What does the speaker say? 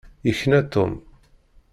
Yekna Tom.